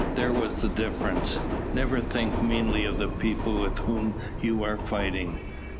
There was the difference. Never think meanly of the people with whom you are fighting.